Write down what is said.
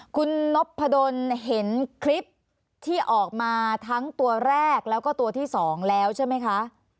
คุณนพดลเห็นคลิปที่ออกมาทั้งตัวแรกแล้วก็ตัวที่๒แล้วใช่ไหมคะ